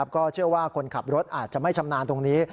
ก็เชื่อว่าคนขับรถอาจจะไม่ชำนาญตรงนี้